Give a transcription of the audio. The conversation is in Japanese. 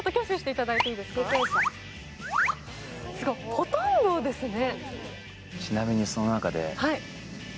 ほとんどですね。